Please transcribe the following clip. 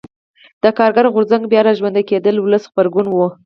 د کارګر غورځنګ بیا را ژوندي کېدل ولسي غبرګون و.